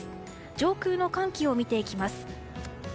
上空の寒気を見ていきます。